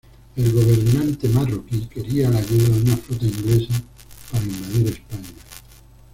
El gobernante marroquí quería la ayuda de una flota inglesa para invadir España.